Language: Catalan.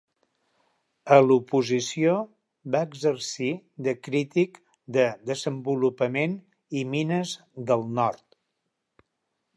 A l'oposició, va exercir de crític de Desenvolupament i Mines del Nord.